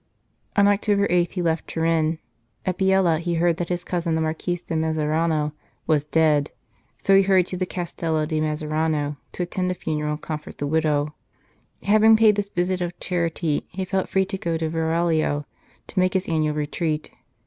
On October 8 he left Turin ; at Biella he heard that his cousin, the Marquis de Messerano, was 228 His House in Order dead. So he hurried to the Castello di Messerano to attend the funeral and comfort the widow. Having paid this visit of charity, he felt free to go to Varallo to make his annual retreat.